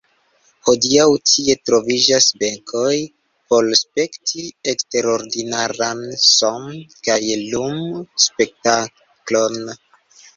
Hodiaŭ tie troviĝas benkoj por spekti eksterordinaran son- kaj lum-spektaklon.